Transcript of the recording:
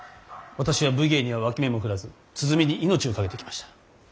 私は武芸には脇目も振らず鼓に命を懸けてきました。